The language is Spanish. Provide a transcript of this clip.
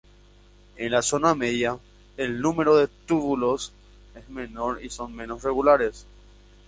En la zona media, el número de túbulos es menor y son menos regulares.